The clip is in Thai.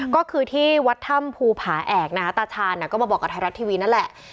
ก็คือที่วัดถ้ำภูผาแอกนะคะตาชาญก็มาบอกกับไทยรัฐทีวีนั่นแหละ